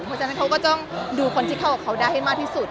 เพราะฉะนั้นเขาก็ต้องดูคนที่เข้ากับเขาได้ให้มากที่สุด